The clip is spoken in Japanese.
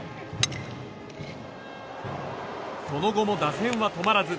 その後も打線は止まらず